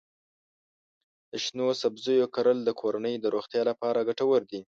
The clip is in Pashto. د شنو سبزیو کرل د کورنۍ د روغتیا لپاره ګټور دي.